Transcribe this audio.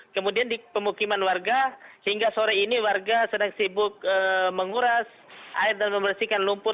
kemudian di pemukiman warga hingga sore ini warga sedang sibuk menguras air dan membersihkan lumpur